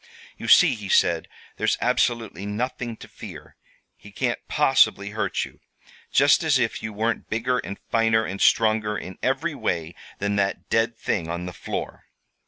"'You see,' he said, 'there's absolutely nothing to fear. He can't possibly hurt you. Just as if you weren't bigger and finer and stronger in every way than that dead thing on the floor!'